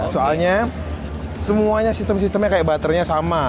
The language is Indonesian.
soalnya semuanya sistem sistemnya kayak butternya sama